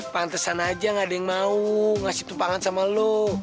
pantesan aja gak ada yang mau ngasih tumpangan sama lo